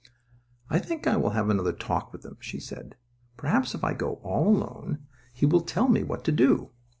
"I think I will have another talk with him," she said. "Perhaps, if I go all alone, he will tell me what to do.